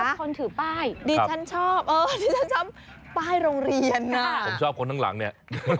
ดิฉันชอบคนถือป้าย